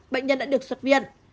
bệnh nhân đã được xuất viện